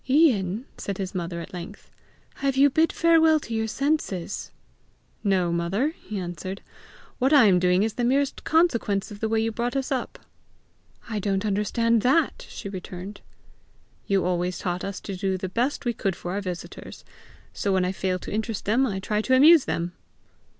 "Ian!" said his mother at length; "have you bid farewell to your senses?" "No, mother," he answered; "what I am doing is the merest consequence of the way you brought us up." "I don't understand that!" she returned. "You always taught us to do the best we could for our visitors. So when I fail to interest them, I try to amuse them."